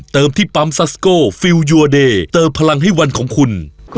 คุณคิดยังไงถึงรับเด็กคนนั้นมาทำงาน